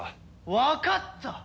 わかった！